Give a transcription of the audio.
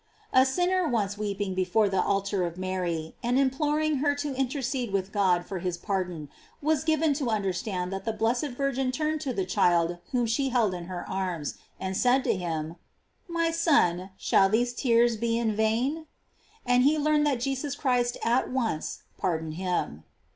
"* A sinner once weeping before the altar of Mary, and imploring her to intercede with God for his pardon, was given to under stand that the blessed Virgin turned to the child whom she held in her arms, and said to him: "My son, shall these tears be in vain?"f an(^ he learned that Jesus Christ at once pardoned him.